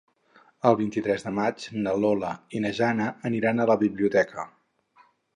El vint-i-tres de maig na Lola i na Jana aniran a la biblioteca.